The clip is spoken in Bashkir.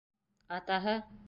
Атаһы: